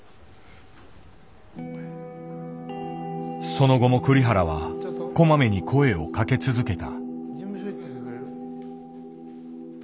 その後も栗原はこまめに声をかけ続けた。